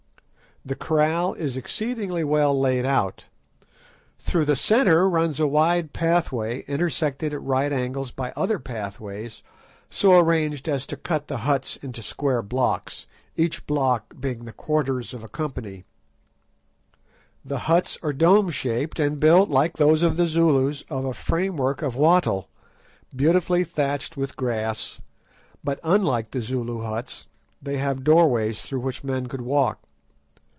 The kraal is exceedingly well laid out. Through the centre runs a wide pathway intersected at right angles by other pathways so arranged as to cut the huts into square blocks, each block being the quarters of a company. The huts are dome shaped, and built, like those of the Zulus, of a framework of wattle, beautifully thatched with grass; but, unlike the Zulu huts, they have doorways through which men could walk.